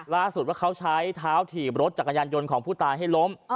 ล่าสุดว่าเขาใช้เท้าถีบรถจักรยานยนต์ของผู้ตายให้ล้ม